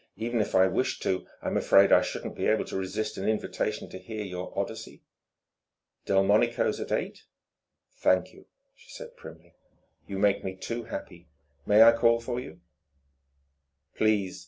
Even if I wished to, I'm afraid I shouldn't be able to resist an invitation to hear your Odyssey." "Delmonico's at eight?" "Thank you," she said primly. "You make me too happy. May I call for you?" "Please."